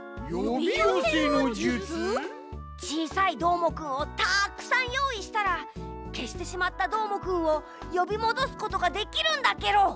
ちいさいどーもくんをたくさんよういしたらけしてしまったどーもくんをよびもどすことができるんだケロ。